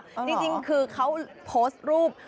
ด้วยหรอจริงคือเขาโพสต์รูป